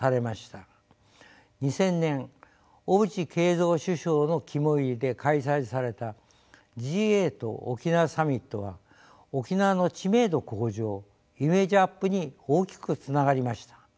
２０００年小渕恵三首相の肝煎りで開催されたＧ８沖縄サミットは沖縄の知名度向上イメージアップに大きくつながりました。